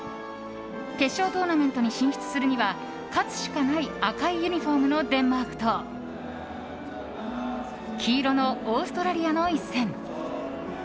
決勝トーナメントに進出するには勝つしかない赤いユニホームのデンマークと黄色のオーストラリアの一戦。